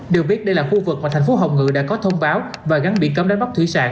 được biết đây là khu vực mà thành phố hồng ngự đã có thông báo và gắn biển cấm đánh bắt thủy sản